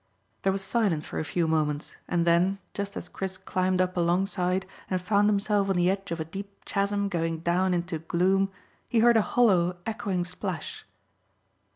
There was silence for a few moments, and then, just as Chris climbed up alongside and found himself on the edge of a deep chasm going down into gloom, he heard a hollow, echoing splash.